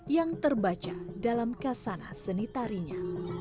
yang terbaca dalam kasana senitarinya